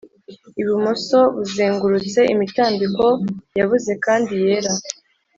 ibumoso buzengurutse imitambiko yabuze kandi yera.